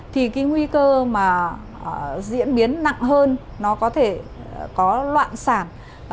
thì cái nguy cơ mà diễn biến nặng hơn nó có thể có loạn sản